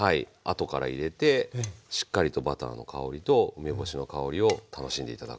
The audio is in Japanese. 後から入れてしっかりとバターの香りと梅干しの香りを楽しんで頂くと。